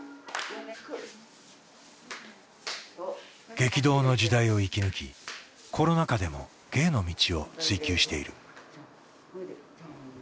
激動の時代を生き抜きコロナ禍でも芸の道を追求している。